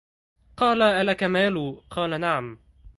قَالَ أَلَكَ مَالٌ ؟ قَالَ نَعَمْ